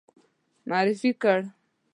معرفي کړ.